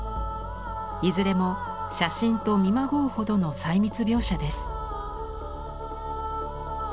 いずれも写真と見まごうほどの細密描写です。